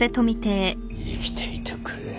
生きていてくれ。